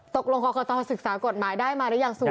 ตกลงครอบครัวตอบศึกษากฎหมายได้มาหรือยังสูตรอ่ะ